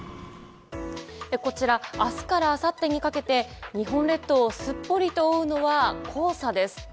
こちら明日からあさってにかけて日本列島をすっぽりと覆うのは黄砂です。